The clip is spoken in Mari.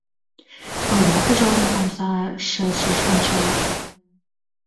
Оза, пожалтын, омса шелшыш ончале.